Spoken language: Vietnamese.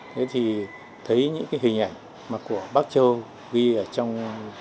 thế thì thấy những cái hình ảnh mà của bác châu ghi ở trong